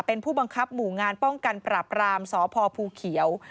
เป็นผู้บังคับหมู่งานป้องกันปราบรามสพภูเขียว